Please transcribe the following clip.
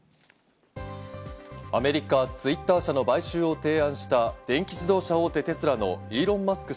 アメリカＴｗｉｔｔｅｒ社の買収を提案した電気自動車大手テスラのイーロン・マスク